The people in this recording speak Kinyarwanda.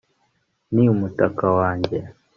ni umutaka wanjye